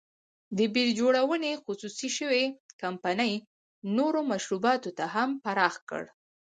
د بیر جوړونې خصوصي شوې کمپنۍ نورو مشروباتو ته هم پراخ کړ.